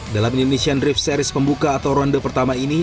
dalam indonesian drift series pembuka atau ronde pertama ini